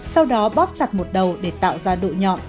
sau đó bóp chặt một đầu để tạo ra độ nhọn